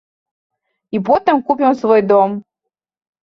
І потым купім свой дом.